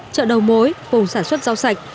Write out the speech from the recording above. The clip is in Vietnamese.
chợ đầu mối vùng sản xuất rau sạch